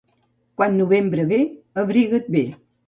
Quan novembre ve, abrigat bé.